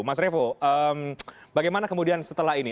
mas revo bagaimana kemudian setelah ini